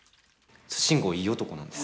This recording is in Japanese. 慎吾いい男なんです。